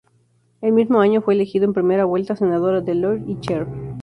El mismo año, fue elegida en primera vuelta, senadora de Loir y Cher.